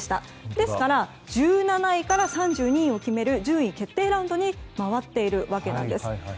ですから１７位から３２位を決める順位決定ラウンドに回っているわけなんです。